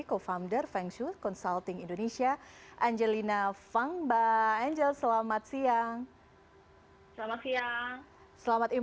co founder fengshu consulting indonesia angelina fangba angel selamat siang selamat siang selamat